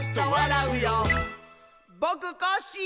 「ぼくコッシー！」